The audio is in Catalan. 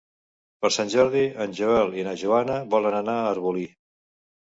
Per Sant Jordi en Joel i na Joana volen anar a Arbolí.